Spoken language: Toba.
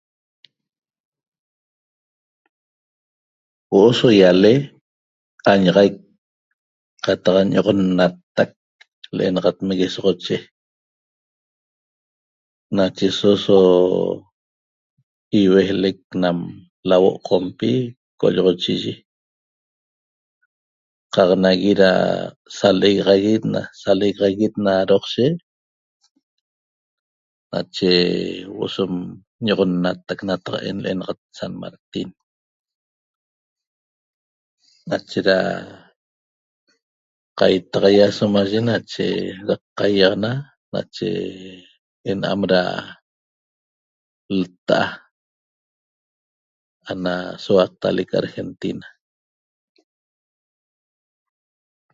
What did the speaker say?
Huo'o so ýale añaxaic qataq ño'oxonnatac l'enaxat Meguesoxoche nacheso so iuejlec nam lahuo' Qompi co'olloxochiyi qaq nagui da salegaxaguet na doqshe nache huo'o so ño'oxonnatac nataq'en l'enata San Martin nache da qaitaxaia somaye nache da qaiaxana nache ena'am da lta'a ana souaqtalec Argentina